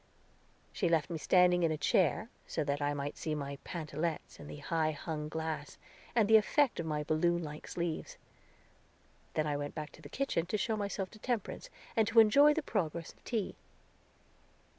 She left me standing in a chair, so that I might see my pantalettes in the high hung glass, and the effect of my balloon like sleeves. Then I went back to the kitchen to show myself to Temperance, and to enjoy the progress of tea.